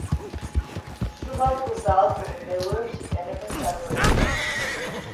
სუბალპურ და ალპურ მდელოებს იყენებენ საძოვრებად.